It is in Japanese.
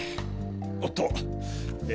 おっとえ